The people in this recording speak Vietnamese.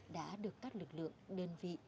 đã được các lực lượng đơn vị